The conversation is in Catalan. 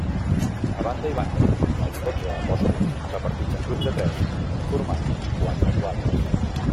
A banda i banda, els dotze apòstols repartits en grups de tres, formant quatre quadres.